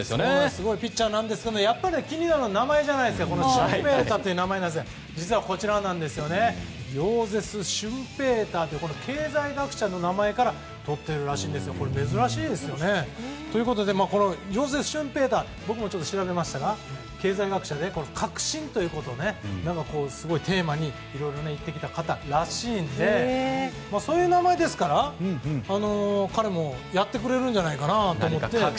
すごいピッチャーなんですけど気になるのはこの舜平大という名前ですが実はヨーゼフ・シュンペーターという経済学者の名前からとっているらしいんですが珍しいですよね。ということでヨーゼフ・シュンペーター僕も調べましたが経済学者で革新という言葉をテーマにいろいろ言ってきた方らしいのでそういう名前ですから、彼もやってくれるんじゃないかと。